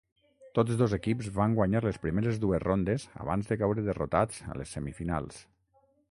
Tots dos equips van guanyar les primeres dues rondes abans de caure derrotats a les semifinals.